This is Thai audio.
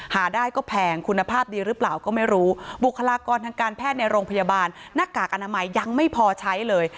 หาได้ก็แพงคุณภาพดีหรือเปล่าก็ไม่รู้บุคลากรทางการแพทย์ในโรงพยาบาลหน้ากากอนามัยยังไม่พอใช้เลย